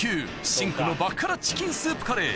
真紅の爆辛チキンスープカレー